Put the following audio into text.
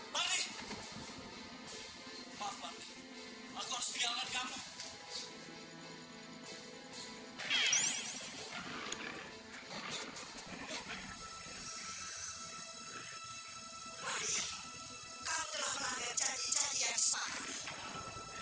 wadi kamu telah melanggar janji janji yang sepakat